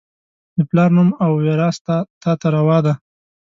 د پلار نوم او، وراث تا ته روا دي